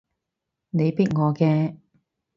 你逼我嘅